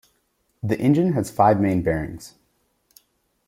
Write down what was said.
The engine has five main bearings.